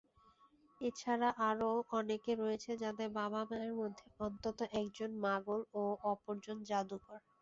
এছাড়া আরো অনেকে রয়েছে যাদের বাবা-মায়ের মধ্যে অন্তত একজন মাগল ও অপরজন জাদুকর।